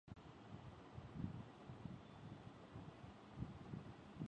তবে তার কাছে বিমানের টিকিট কেনার মতো টাকা নেই।